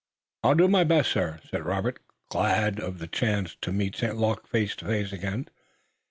"I will do my best, sir," said Robert, glad of the chance to meet St. Luc face to face again.